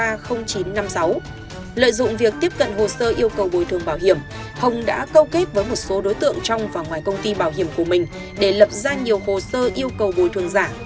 lợi dụng việc tiếp cận hồ sơ yêu cầu bồi thường bảo hiểm hồng đã câu kết với một số đối tượng trong và ngoài công ty bảo hiểm của mình để lập ra nhiều hồ sơ yêu cầu bồi thường giả